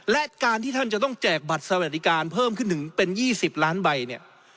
และการที่ท่านจะต้องแจกบัตรสวัสดิการเพิ่มขึ้นถึงเป็น๒๐ล้านใบเนี่ย